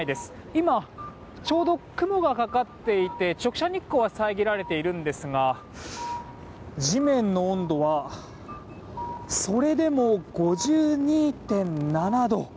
今ちょうど雲がかかっていて直射日光は遮られているんですが地面の温度はそれでも５２．７度。